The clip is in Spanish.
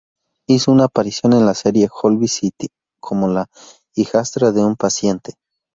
Hizo una aparición en la serie "Holby City", como la hijastra de un paciente.